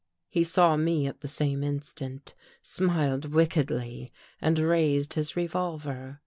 He saw me at the same instant, smiled wickedly and raised his revolver.